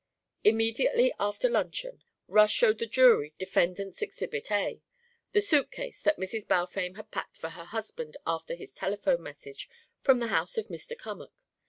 Immediately after luncheon, Rush showed the jury Defendant's Exhibit A: the suitcase that Mrs. Balfame had packed for her husband after his telephone message from the house of Mr. Cummack.